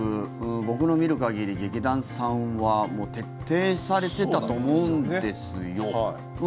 僕の見る限り劇団さんは徹底されてたと思うんですよ。